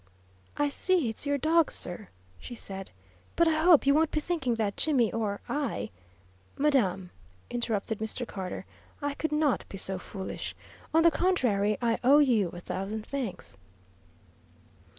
"I see it's your dog, sir," she said, "but I hope you won't be thinking that Jimmy or I " "Madam," interrupted Mr. Carter, "I could not be so foolish. On the contrary, I owe you a thousand thanks."